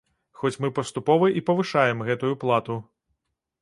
Хоць мы паступова і павышаем гэтую плату.